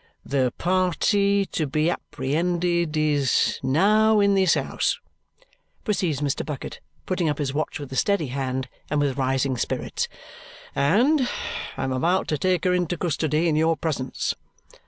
"The party to be apprehended is now in this house," proceeds Mr. Bucket, putting up his watch with a steady hand and with rising spirits, "and I'm about to take her into custody in your presence.